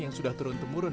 yang sudah turun temurun